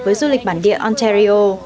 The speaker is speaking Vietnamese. với du lịch bản địa ontario